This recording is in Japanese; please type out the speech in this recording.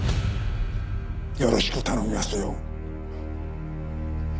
よろしく頼みますよ。